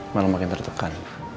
malah makin tertekan